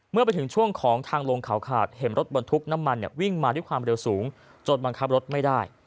เมื่อไปถึงช่วงของทางลงเขาขาดเห็นรถบรรทุกน้ำมันวิ่งมาด้วยความเร็วสูงจนบังคับรถไม่ได้